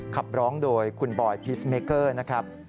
ขับร้องโดยคุณบอยพีชเมเกอร์นะครับ